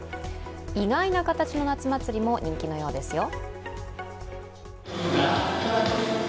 意外な形の夏祭りも人気のようですよ。